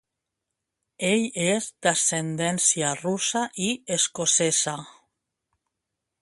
Ell és d'ascendència russa i escocesa.